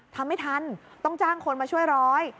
ทำไม่ทันต้องจ้างคนมาช่วยร้อย